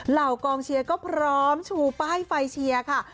เหล่ากองเชียร์ก็พร้อมชูป้ายไฟเชียร์ค่ะ